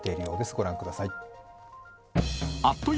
ご覧ください。